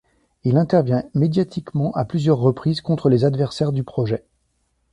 Il intervient médiatiquement à plusieurs reprises contre les adversaires du projet.